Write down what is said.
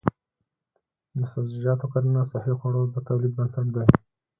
د سبزیجاتو کرنه د صحي خوړو د تولید بنسټ دی.